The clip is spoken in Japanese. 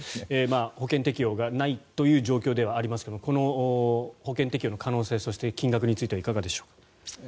保険適用がないという状況ではありますがこの保険適用の可能性、そして金額についてはいかがでしょう。